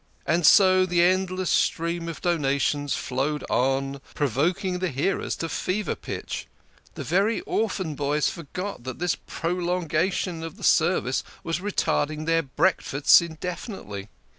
And so the endless stream of donatives flowed on, pro voking the hearers to fever pitch. The very orphan boys forgot that this prolongation of the service was retarding their breakfasts indefinitely.